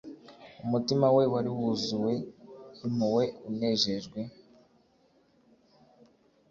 umutima we wari wuzuwe impuhwe unejejwe